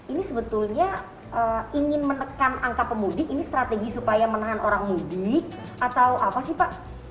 ini sebetulnya ingin menekan angka pemudik ini strategi supaya menahan orang mudik atau apa sih pak